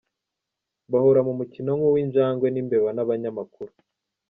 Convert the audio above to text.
Bahora mu mukino nk’uw’injangwe n’imbeba n’abanyamakuru.